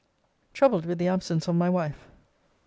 Troubled with the absence of my wife.